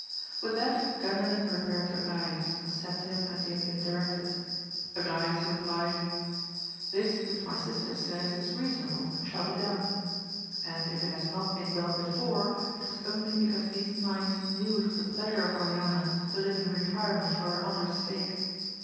With that Gandalin repaired to Agrayes, and said to him as he had been directed. Agrayes replied, VOL. UL T 98 AMADIS OF GAUL. This which my sister says is reasonable and shall be done ; and if it has not been done before, it was only because these knights knew it was the pleasure of Oriana to live in retirement for her honour's sake.